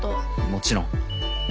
もちろん。